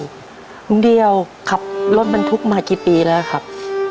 พรุ่งเดียวขับรถมันทุกข์มากี่ปีแล้วครับ